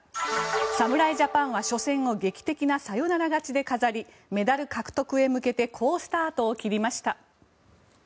侍ジャパンは初戦を劇的なサヨナラ勝ちで飾りメダル獲得へ向けて好スタートを切りました。